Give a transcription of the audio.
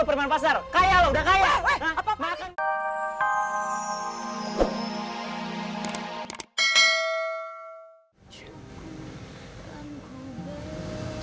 perman pasar kaya udah kaya apa apa